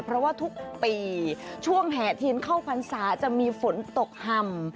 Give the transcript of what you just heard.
เพราะว่าทุกปีช่วงแห่เทียนเข้าพรรษาจะมีฝนตกห่ำ